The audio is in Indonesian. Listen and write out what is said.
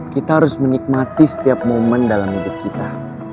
kita harus menikmati setiap momen dalam hidup kita